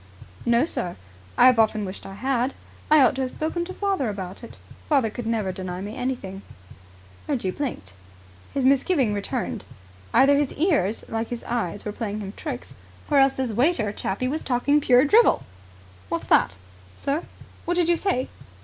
"No, sir. I have often wished I had. I ought to have spoken to father about it. Father could never deny me anything." Reggie blinked. His misgiving returned. Either his ears, like his eyes, were playing him tricks, or else this waiter chappie was talking pure drivel. "What's that?" "Sir?" "What did you say?"